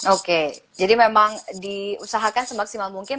oke jadi memang diusahakan semaksimal mungkin